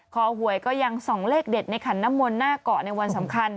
หวยก็ยังส่องเลขเด็ดในขันน้ำมนต์หน้าเกาะในวันสำคัญ